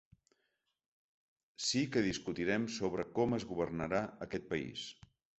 Sí que discutirem sobre com es governarà aquest país.